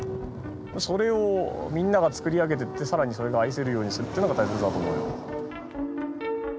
それをみんなが作り上げていって更にそれが愛せるようにするっていうのが大切だと思うよ。